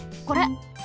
これ。